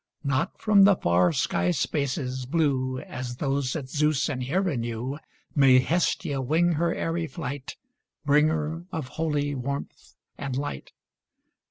Not from the far sky spaces, blue As those that Zeus and Hera knew, May Hestia wing her airy flight, Bringer of holy warmth and light.